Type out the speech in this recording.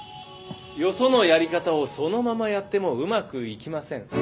よそのやり方をそのままやってもうまくいきません。